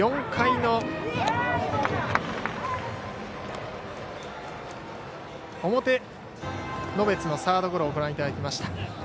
４回の表、野別のサードゴロをご覧いただきました。